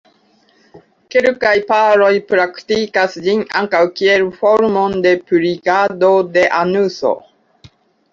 Kelkaj paroj praktikas ĝin ankaŭ kiel formon de purigado de anuso.